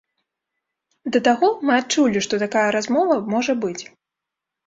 Да таго, мы адчулі, што такая размова можа быць.